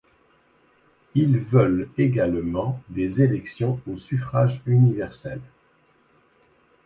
Ils veulent également des élections au suffrage universel.